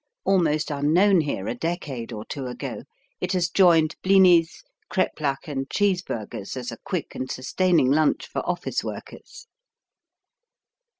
Almost unknown here a decade or two ago, it has joined blinis, kreplach and cheeseburgers as a quick and sustaining lunch for office workers.